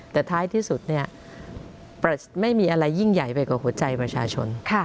แต่ท้ายที่สุดไม่มีอะไรยิ่งใหญ่ไปกว่าหัวใจประชาชน